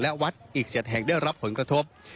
และวัดอีก๗แห่งได้รับผลกระทบ